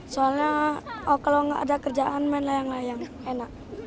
soalnya kalau nggak ada kerjaan main layang layang enak